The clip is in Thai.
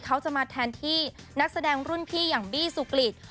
เขาจะมาแทนที่นักแสดงรุ่นพี่อย่างบี้สุกริต